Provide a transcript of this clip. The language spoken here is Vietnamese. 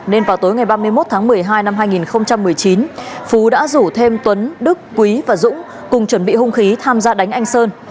nên vào tối ngày ba mươi một tháng một mươi hai năm hai nghìn một mươi chín phú đã rủ thêm tuấn đức quý và dũng cùng chuẩn bị hung khí tham gia đánh anh sơn